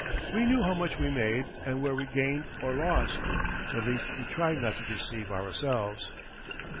We knew how much we made and where we gained or lost. At least, we tried not to deceive ourselves.